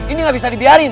ini nggak bisa dibiarin